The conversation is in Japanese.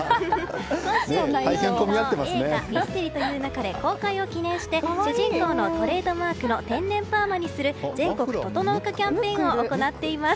今週金曜日の映画「ミステリと言う勿れ」公開を記念して主人公のトレードマークの天然パーマにする全国整化キャンペーンを行っています。